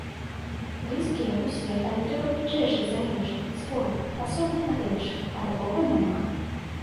Блізкія ўсе, але трэба бліжэйшы за іншых, свой, асобны ад іншых, а такога няма.